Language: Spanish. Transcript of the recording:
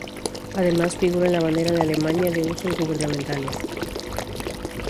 Además, figura en la bandera de Alemania de usos gubernamentales.